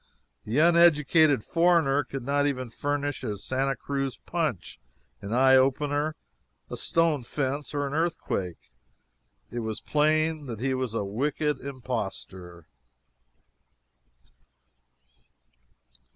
The uneducated foreigner could not even furnish a Santa Cruz Punch, an Eye Opener, a Stone Fence, or an Earthquake. It was plain that he was a wicked impostor.